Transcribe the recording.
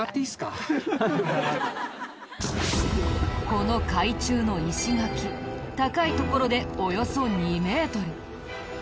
この海中の石垣高い所でおよそ２メートル。